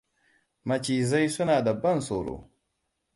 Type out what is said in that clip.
Majizai suna da ban tsoro.